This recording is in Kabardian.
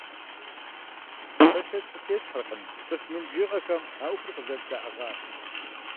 Сэ шэч къытесхьэркъым цӀыху мин бжыгъэхэм а Ӏуэхур къызэрыддаӀыгъыр.